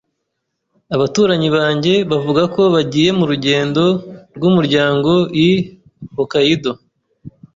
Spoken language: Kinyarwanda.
Abaturanyi banjye bavuga ko bagiye mu rugendo rwumuryango i Hokkaido.